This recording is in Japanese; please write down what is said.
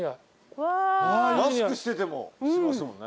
マスクしててもしますもんね。